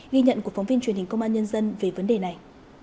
ghi nhận của phóng viên truyền hình công an nhân dân về vấn đề này